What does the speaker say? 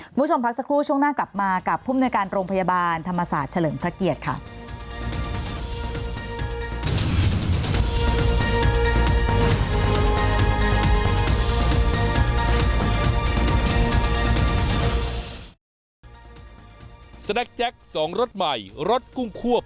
คุณผู้ชมพักสักครู่ช่วงหน้ากลับมากับผู้มนุยการโรงพยาบาลธรรมศาสตร์เฉลิมพระเกียรติค่ะ